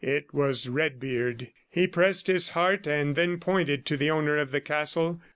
It was Redbeard. He pressed his heart and then pointed to the owner of the castle.